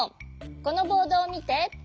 このボードをみて。